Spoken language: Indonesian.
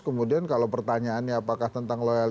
kemudian kalau pertanyaannya apakah tentang loyal